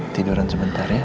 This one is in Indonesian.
tiduran sebentar ya